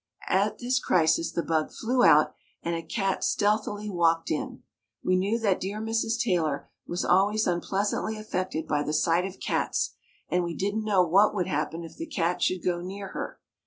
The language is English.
At this crisis the bug flew out and a cat stealthily walked in. We knew that dear Mrs. Taylor was always unpleasantly affected by the sight of cats and we didn't know what would happen if the cat should go near her.